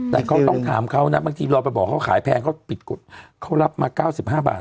แต่เขาต้องถามเขานะบางทีเราไปบอกเขาขายแพงเขาปิดกฎเขารับมา๙๕บาท